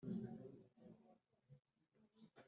n’abihayimana gusa.nyamara ibihe bib